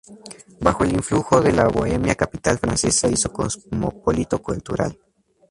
Bajo el influjo de la bohemia capital francesa y su cosmopolita cultura.